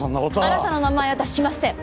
あなたの名前は出しません。